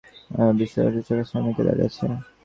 ওর বিস্ফারিত চোখের সামনে কে দাঁড়িয়ে আছে?